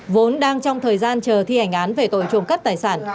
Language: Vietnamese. vốn đang trong thời gian chờ thi hành án về tội trộm cắp tài sản